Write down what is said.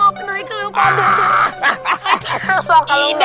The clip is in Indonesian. pak deh maafin haikal ya pak deh